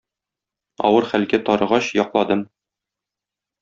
Авыр хәлгә тарыгач, якладым.